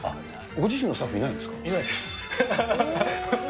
ご自身のスタッフいないんでいないんです。